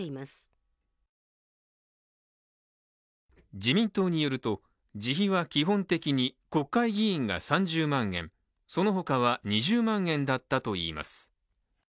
自民党によると自費は基本的に国会議員が３０万円、そのほかは２０万円だったといいます。